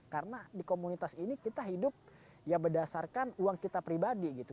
karena di komunitas ini kita hidup ya berdasarkan uang kita pribadi gitu